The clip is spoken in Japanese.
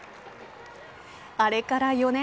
あれから４年。